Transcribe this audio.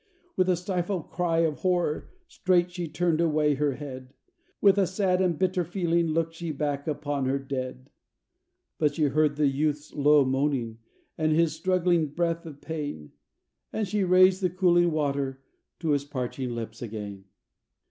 With a stifled cry of horror straight she turned away her head; With a sad and bitter feeling look'd she back upon her dead; But she heard the youth's low moaning, and his struggling breath of pain, And she raised the cooling water to his parching lips again.